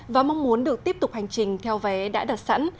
và mong muốn được tiếp tục hành trình theo vé đã đặt sẵn